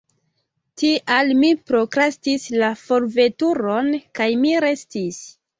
Tial mi prokrastis la forveturon kaj mi restis.